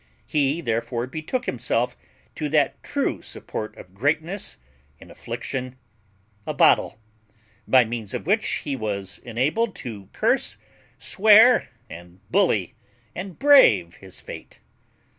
He therefore betook himself to that true support of greatness in affliction, a bottle; by means of which he was enabled to curse, swear, and bully, and brave his fate.